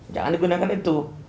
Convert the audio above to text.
jangan digunakan itu